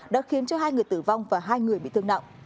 đã khiến cho hai người tử vong và hai người bị thương nặng